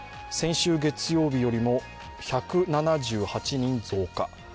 先週月曜日よりも１７８人増加。